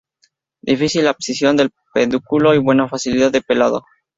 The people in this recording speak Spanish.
Difícil abscisión del pedúnculo y buena facilidad de pelado.